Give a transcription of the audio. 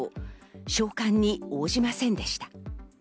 召喚に応じませんでした。